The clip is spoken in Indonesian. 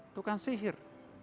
itu kan sihir